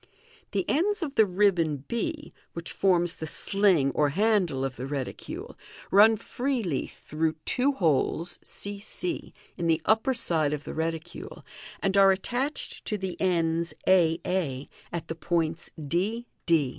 The ends of the ribbon I, which forms the sling or handle of the reticule, run freely through two holes c c in the upper side of the reticule, and are attached to the ends a a at the points d d.